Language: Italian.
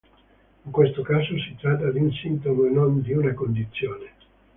In questo caso, si tratta di un sintomo e non di una condizione.